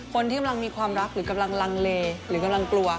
คนที่กำลังมีความรักหรือกำลังลังเลหรือกำลังกลัว